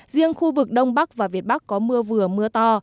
riêng khu vực đông bắc và việt bắc có mưa vừa mưa to